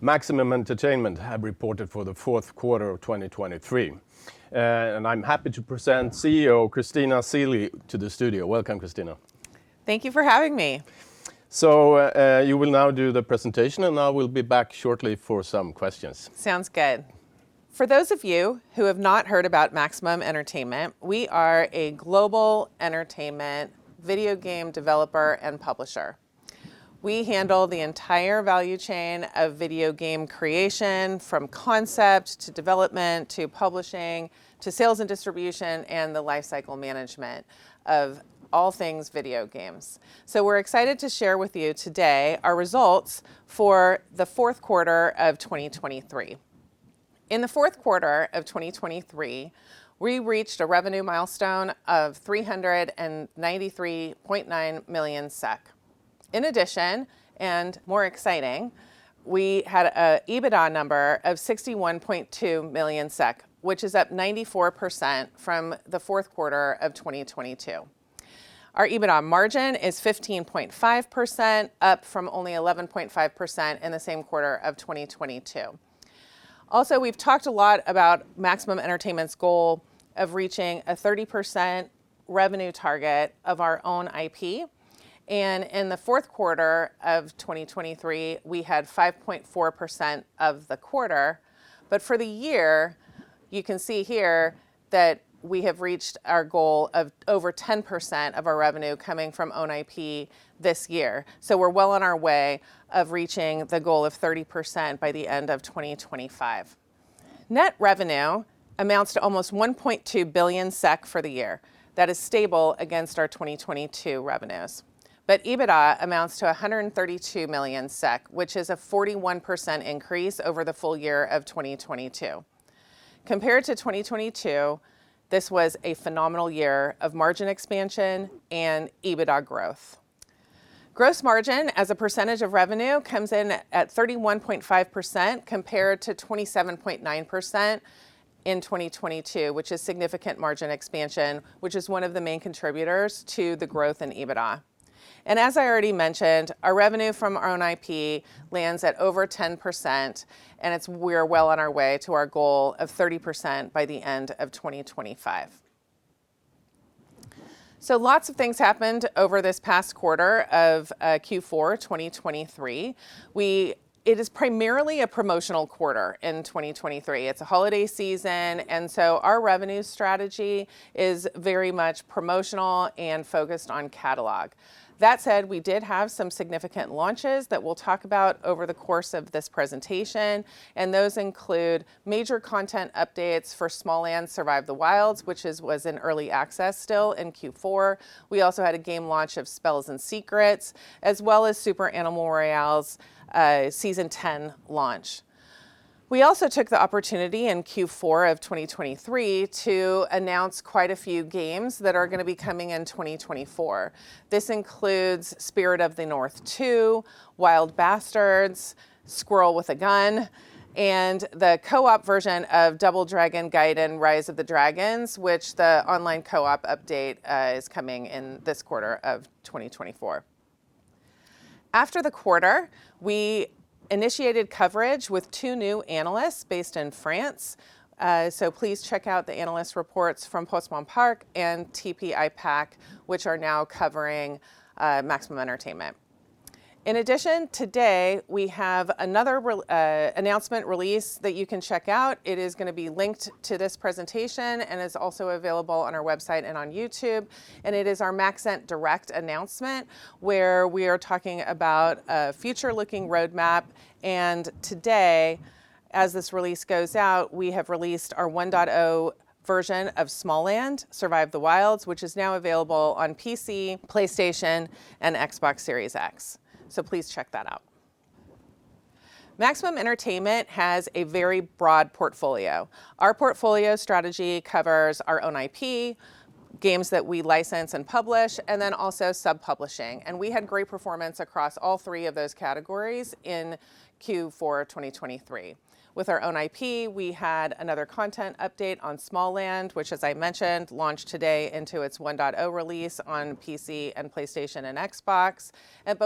Maximum Entertainment have reported for the fourth quarter of 2023, and I'm happy to present CEO Christina Seelye to the studio. Welcome, Christina. Thank you for having me. You will now do the presentation, and I will be back shortly for some questions. Sounds good. For those of you who have not heard about Maximum Entertainment, we are a global entertainment video game developer and publisher. We handle the entire value chain of video game creation, from concept to development to publishing to sales and distribution and the lifecycle management of all things video games. So, we're excited to share with you today our results for the fourth quarter of 2023. In the fourth quarter of 2023, we reached a revenue milestone of 393.9 million SEK. In addition, and more exciting, we had an EBITDA number of 61.2 million SEK, which is up 94% from the fourth quarter of 2022. Our EBITDA margin is 15.5%, up from only 11.5% in the same quarter of 2022. Also, we've talked a lot about Maximum Entertainment's goal of reaching a 30% revenue target of our own IP, and in the fourth quarter of 2023, we had 5.4% of the quarter. But for the year, you can see here that we have reached our goal of over 10% of our revenue coming from own IP this year. So, we're well on our way of reaching the goal of 30% by the end of 2025. Net revenue amounts to almost 1.2 billion SEK for the year. That is stable against our 2022 revenues. But EBITDA amounts to 132 million SEK, which is a 41% increase over the full year of 2022. Compared to 2022, this was a phenomenal year of margin expansion and EBITDA growth. Gross margin, as a percentage of revenue, comes in at 31.5% compared to 27.9% in 2022, which is significant margin expansion, which is one of the main contributors to the growth in EBITDA. As I already mentioned, our revenue from our own IP lands at over 10%, and we're well on our way to our goal of 30% by the end of 2025. Lots of things happened over this past quarter of Q4 2023. It is primarily a promotional quarter in 2023. It's a holiday season, and so our revenue strategy is very much promotional and focused on catalog. That said, we did have some significant launches that we'll talk about over the course of this presentation, and those include major content updates for Smalland: Survive the Wilds, which was in early access still in Q4. We also had a game launch of Spells & Secrets, as well as Super Animal Royale's Season 10 launch. We also took the opportunity in Q4 of 2023 to announce quite a few games that are going to be coming in 2024. This includes Spirit of the North 2, Wild Bastards, Squirrel with a Gun, and the co-op version of Double Dragon Gaiden: Rise of the Dragons, which the online co-op update is coming in this quarter of 2024. After the quarter, we initiated coverage with two new analysts based in France, so please check out the analyst reports from Portzamparc and TP ICAP, which are now covering Maximum Entertainment. In addition, today we have another announcement release that you can check out. It is going to be linked to this presentation and is also available on our website and on YouTube, and it is our MaxEnt Direct announcement where we are talking about a future-looking roadmap. Today, as this release goes out, we have released our 1.0 version of Smalland: Survive the Wilds, which is now available on PC, PlayStation, and Xbox Series X. Please check that out. Maximum Entertainment has a very broad portfolio. Our portfolio strategy covers our own IP, games that we license and publish, and then also subpublishing. We had great performance across all three of those categories in Q4 2023. With our own IP, we had another content update on Smalland, which, as I mentioned, launched today into its 1.0 release on PC and PlayStation and Xbox.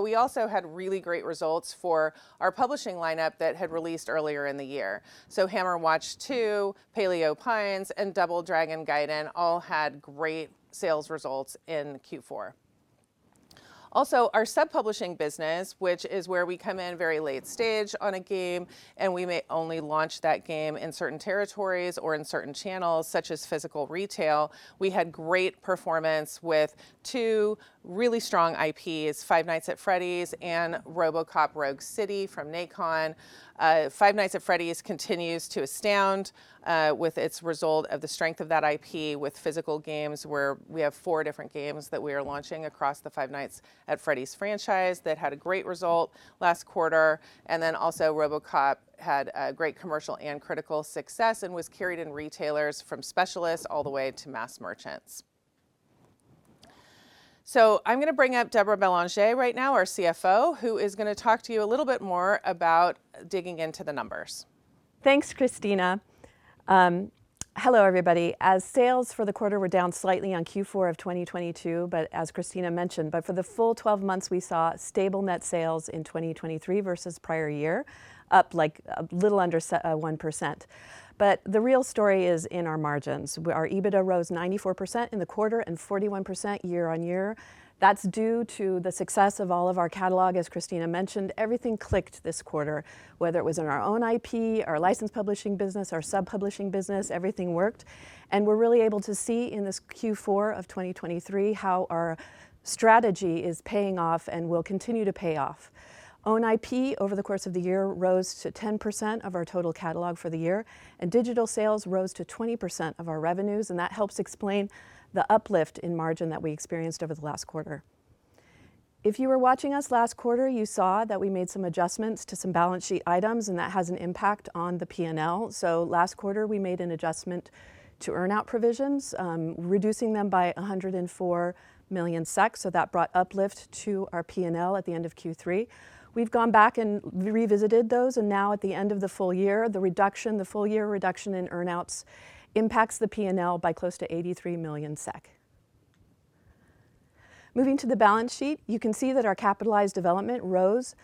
We also had really great results for our publishing lineup that had released earlier in the year. Hammerwatch II, Paleo Pines, and Double Dragon Gaiden all had great sales results in Q4. Also, our subpublishing business, which is where we come in very late stage on a game and we may only launch that game in certain territories or in certain channels such as physical retail, we had great performance with two really strong IPs: Five Nights at Freddy's and RoboCop: Rogue City from Nacon. Five Nights at Freddy's continues to astound with its result of the strength of that IP, with physical games where we have four different games that we are launching across the Five Nights at Freddy's franchise that had a great result last quarter. Then also RoboCop had great commercial and critical success and was carried in retailers from specialists all the way to mass merchants. I'm going to bring up Deborah Bellangé right now, our CFO, who is going to talk to you a little bit more about digging into the numbers. Thanks, Christina. Hello, everybody. As sales for the quarter were down slightly on Q4 of 2022, but as Christina mentioned, but for the full 12 months we saw stable net sales in 2023 versus prior year, up like a little under 1%. But the real story is in our margins. Our EBITDA rose 94% in the quarter and 41% year-on-year. That's due to the success of all of our catalog. As Christina mentioned, everything clicked this quarter, whether it was in our own IP, our license publishing business, our subpublishing business, everything worked. And we're really able to see in this Q4 of 2023 how our strategy is paying off and will continue to pay off. Own IP over the course of the year rose to 10% of our total catalog for the year, and digital sales rose to 20% of our revenues, and that helps explain the uplift in margin that we experienced over the last quarter. If you were watching us last quarter, you saw that we made some adjustments to some balance sheet items, and that has an impact on the P&L. So last quarter we made an adjustment to earnout provisions, reducing them by 104 million, so that brought uplift to our P&L at the end of Q3. We've gone back and revisited those, and now at the end of the full year, the reduction, the full-year reduction in earnouts impacts the P&L by close to 83 million SEK. Moving to the balance sheet, you can see that our capitalized development rose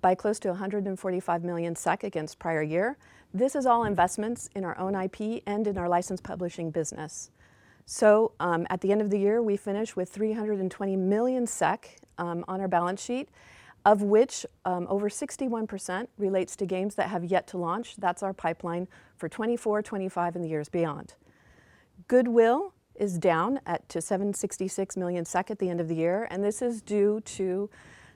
by close to 145 million SEK against prior year. This is all investments in our own IP and in our license publishing business. So at the end of the year, we finished with 320 million SEK on our balance sheet, of which over 61% relates to games that have yet to launch. That's our pipeline for 2024, 2025, and the years beyond. Goodwill is down to 766 million SEK at the end of the year, and this is due to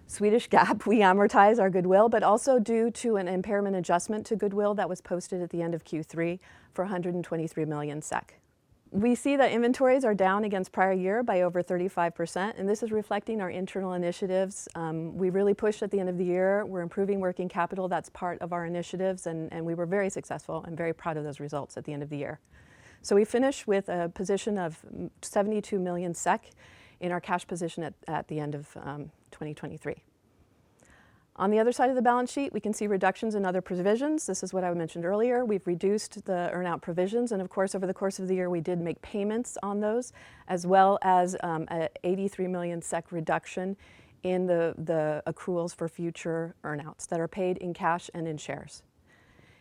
Swedish GAAP. We amortize our Goodwill, but also due to an impairment adjustment to Goodwill that was posted at the end of Q3 for 123 million SEK. We see that inventories are down against prior year by over 35%, and this is reflecting our internal initiatives. We really pushed at the end of the year. We're improving working capital. That's part of our initiatives, and we were very successful and very proud of those results at the end of the year. So we finished with a position of 72 million SEK in our cash position at the end of 2023. On the other side of the balance sheet, we can see reductions in other provisions. This is what I mentioned earlier. We've reduced the earnout provisions, and of course, over the course of the year we did make payments on those, as well as an 83 million SEK reduction in the accruals for future earnouts that are paid in cash and in shares.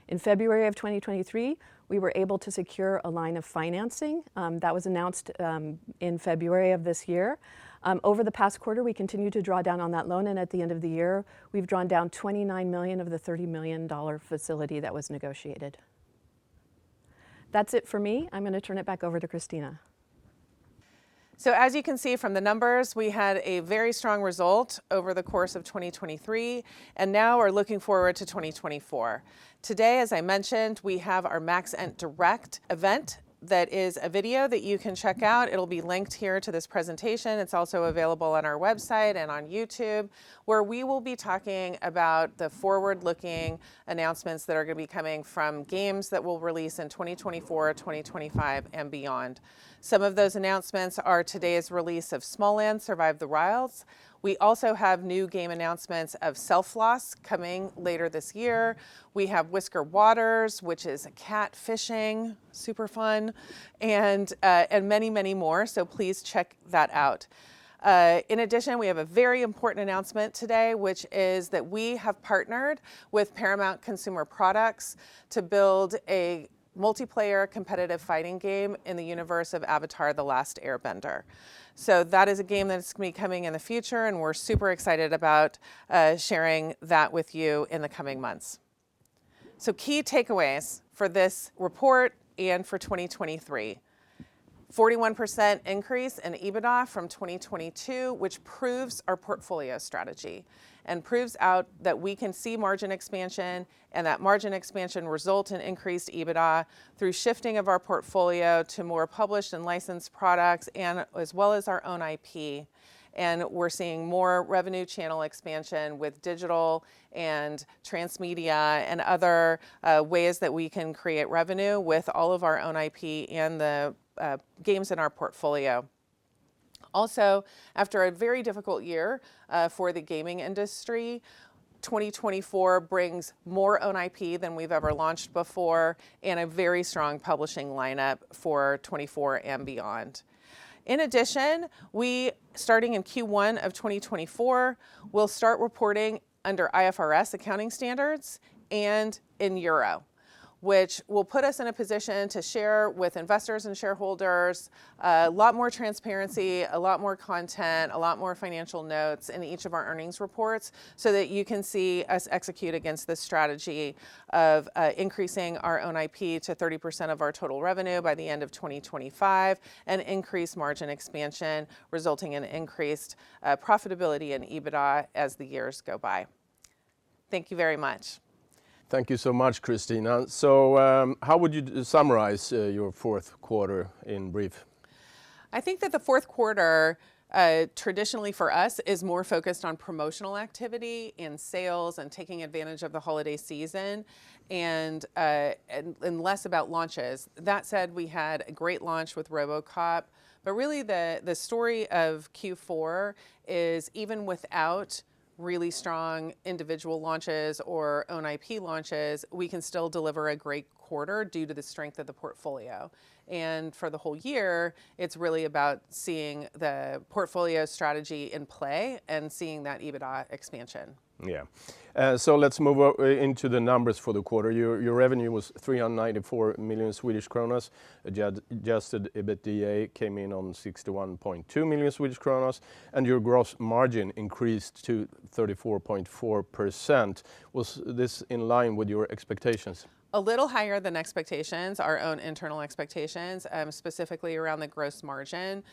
In February of 2023, we were able to secure a line of financing that was announced in February of this year. Over the past quarter, we continued to draw down on that loan, and at the end of the year we've drawn down $29 million of the $30 million facility that was negotiated. That's it for me. I'm going to turn it back over to Christina. So, as you can see from the numbers, we had a very strong result over the course of 2023 and now are looking forward to 2024. Today, as I mentioned, we have our MaxEnt Direct event that is a video that you can check out. It'll be linked here to this presentation. It's also available on our website and on YouTube, where we will be talking about the forward-looking announcements that are going to be coming from games that will release in 2024, 2025, and beyond. Some of those announcements are today's release of Smalland: Survive the Wilds. We also have new game announcements of Selfloss coming later this year. We have Whisker Waters, which is catfishing, super fun, and many, many more, so please check that out. In addition, we have a very important announcement today, which is that we have partnered with Paramount Consumer Products to build a multiplayer competitive fighting game in the universe of Avatar: The Last Airbender. So that is a game that's going to be coming in the future, and we're super excited about sharing that with you in the coming months. So key takeaways for this report and for 2023: 41% increase in EBITDA from 2022, which proves our portfolio strategy and proves out that we can see margin expansion and that margin expansion results in increased EBITDA through shifting of our portfolio to more published and licensed products, as well as our own IP. And we're seeing more revenue channel expansion with digital and transmedia and other ways that we can create revenue with all of our own IP and the games in our portfolio. Also, after a very difficult year for the gaming industry, 2024 brings more own IP than we've ever launched before and a very strong publishing lineup for 2024 and beyond. In addition, starting in Q1 of 2024, we'll start reporting under IFRS accounting standards and in Euro, which will put us in a position to share with investors and shareholders a lot more transparency, a lot more content, a lot more financial notes in each of our earnings reports so that you can see us execute against this strategy of increasing our own IP to 30% of our total revenue by the end of 2025 and increase margin expansion, resulting in increased profitability in EBITDA as the years go by. Thank you very much. Thank you so much, Christina. So how would you summarize your fourth quarter in brief? I think that the fourth quarter, traditionally for us, is more focused on promotional activity and sales and taking advantage of the holiday season and less about launches. That said, we had a great launch with RoboCop. But really, the story of Q4 is even without really strong individual launches or own IP launches, we can still deliver a great quarter due to the strength of the portfolio. And for the whole year, it's really about seeing the portfolio strategy in play and seeing that EBITDA expansion. Yeah. So let's move into the numbers for the quarter. Your revenue was 394 million. Adjusted EBITDA came in on 61.2 million, and your gross margin increased to 34.4%. Was this in line with your expectations? A little higher than expectations, our own internal expectations, specifically around the gross margin.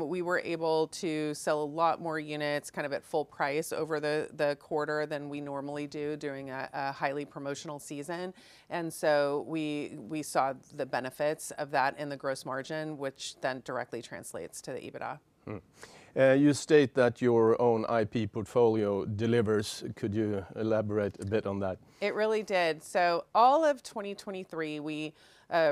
We were able to sell a lot more units kind of at full price over the quarter than we normally do during a highly promotional season, and so we saw the benefits of that in the gross margin, which then directly translates to the EBITDA. You state that your own IP portfolio delivers. Could you elaborate a bit on that? It really did. So all of 2023, we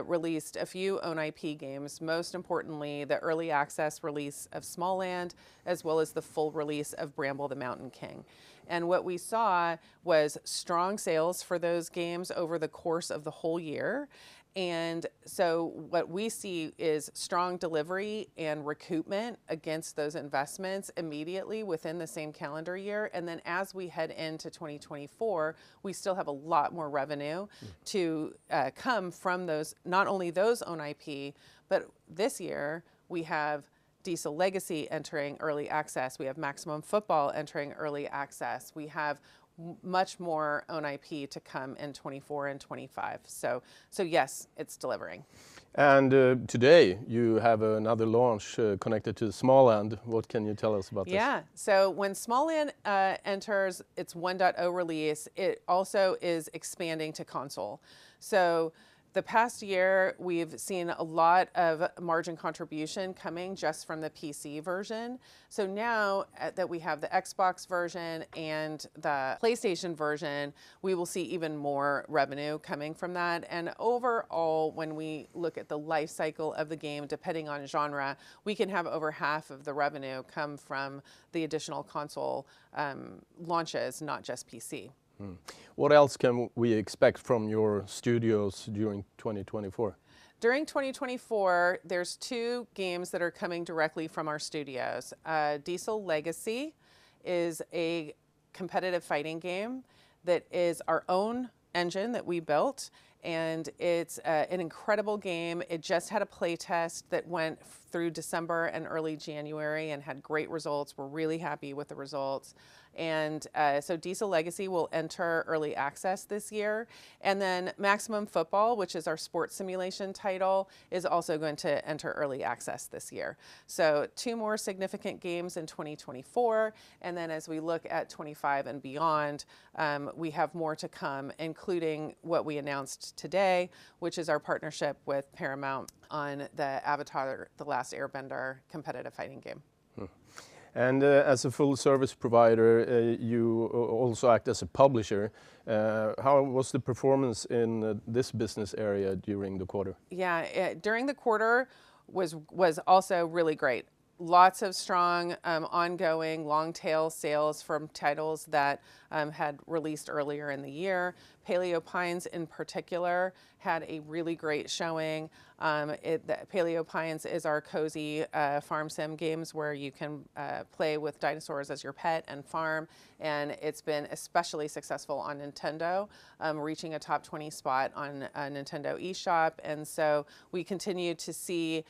released a few own IP games, most importantly the early access release of Smalland, as well as the full release of Bramble: The Mountain King. And what we saw was strong sales for those games over the course of the whole year. And so what we see is strong delivery and recoupment against those investments immediately within the same calendar year. And then as we head into 2024, we still have a lot more revenue to come from not only those own IP, but this year we have Diesel Legacy entering early access, we have Maximum Football entering early access, we have much more own IP to come in 2024 and 2025. So yes, it's delivering. Today you have another launch connected to Smalland. What can you tell us about this? Yeah. So when Smalland enters its 1.0 release, it also is expanding to console. So the past year we've seen a lot of margin contribution coming just from the PC version. So now that we have the Xbox version and the PlayStation version, we will see even more revenue coming from that. And overall, when we look at the lifecycle of the game, depending on genre, we can have over half of the revenue come from the additional console launches, not just PC. What else can we expect from your studios during 2024? During 2024, there's two games that are coming directly from our studios. Diesel Legacy is a competitive fighting game that is our own engine that we built, and it's an incredible game. It just had a playtest that went through December and early January and had great results. We're really happy with the results. And so Diesel Legacy will enter early access this year. And then Maximum Football, which is our sports simulation title, is also going to enter early access this year. So two more significant games in 2024. And then as we look at 2025 and beyond, we have more to come, including what we announced today, which is our partnership with Paramount on the Avatar: The Last Airbender competitive fighting game. As a full-service provider, you also act as a publisher. How was the performance in this business area during the quarter? Yeah, during the quarter was also really great. Lots of strong, ongoing, long-tail sales from titles that had released earlier in the year. Paleo Pines, in particular, had a really great showing. Paleo Pines is our cozy farm sim games where you can play with dinosaurs as your pet and farm, and it's been especially successful on Nintendo, reaching a top 20 spot on Nintendo eShop. And so, we continue to see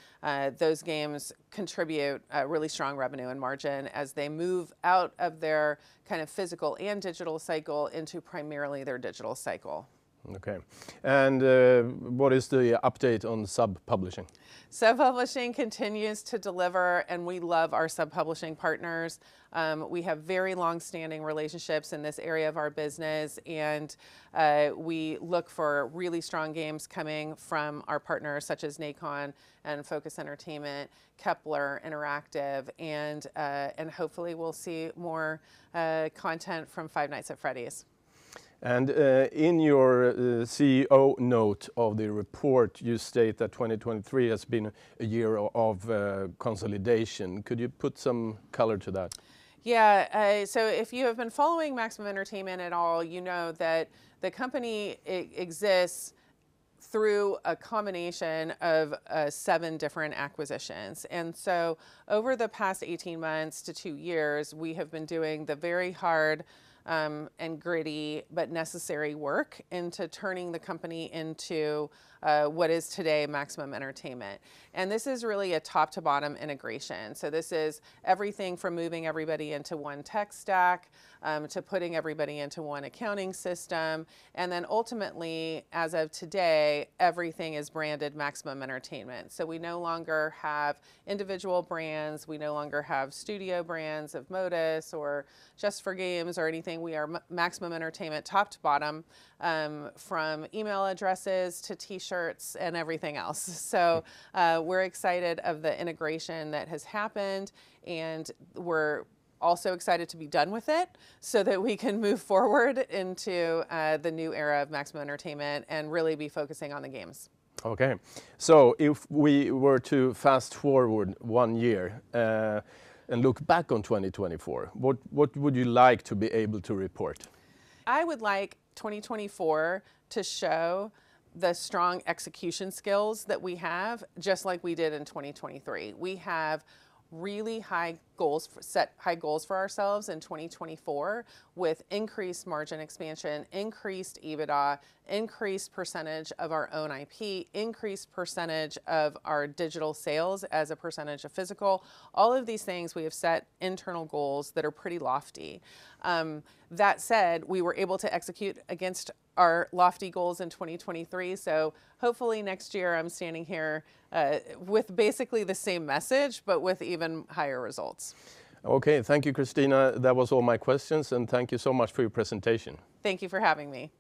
those games contribute really strong revenue and margin as they move out of their kind of physical and digital cycle into primarily their digital cycle. Okay. And what is the update on sub publishing? Sub publishing continues to deliver, and we love our subpublishing partners. We have very longstanding relationships in this area of our business, and we look for really strong games coming from our partners such as NACON and Focus Entertainment, Kepler Interactive, and hopefully we'll see more content from Five Nights at Freddy's. In your CEO note of the report, you state that 2023 has been a year of consolidation. Could you put some color to that? Yeah. So if you have been following Maximum Entertainment at all, you know that the company exists through a combination of 7 different acquisitions. And so, over the past 18 months to 2 years, we have been doing the very hard and gritty but necessary work into turning the company into what is today Maximum Entertainment. And this is really a top-to-bottom integration. So, this is everything from moving everybody into one tech stack to putting everybody into one accounting system, and then ultimately, as of today, everything is branded Maximum Entertainment. So, we no longer have individual brands, we no longer have studio brands of Modus or Just For Games or anything. We are Maximum Entertainment top-to-bottom, from email addresses to T-shirts and everything else. So, we're excited about the integration that has happened, and we're also excited to be done with it so that we can move forward into the new era of Maximum Entertainment and really be focusing on the games. Okay. So, if we were to fast forward one year and look back on 2024, what would you like to be able to report? I would like 2024 to show the strong execution skills that we have, just like we did in 2023. We have really high goals, set high goals for ourselves in 2024 with increased margin expansion, increased EBITDA, increased percentage of our own IP, increased percentage of our digital sales as a percentage of physical. All of these things, we have set internal goals that are pretty lofty. That said, we were able to execute against our lofty goals in 2023, so hopefully next year I'm standing here with basically the same message but with even higher results. Okay. Thank you, Christina. That was all my questions, and thank you so much for your presentation. Thank you for having me.